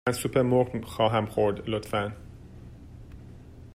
من سوپ مرغ خواهم خورد، لطفاً.